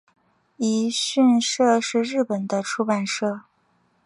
一迅社是日本的出版社。